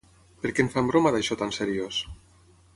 Per què en fan broma d'això tan seriós?